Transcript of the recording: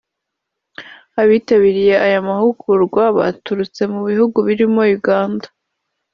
Abitabiriye aya mahugurwa baturutse mu bihugu birimo Uganda